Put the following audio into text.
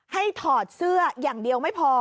ถอดเสื้ออย่างเดียวไม่พอ